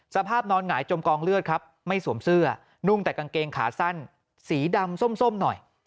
สภาพนอนหงายจมกองเลือดครับไม่สวมเสื้อนุ่งแต่กางเกงขาสั้นสีดำส้มหน่อย